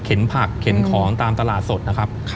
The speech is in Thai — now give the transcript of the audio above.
ผักเข็นของตามตลาดสดนะครับ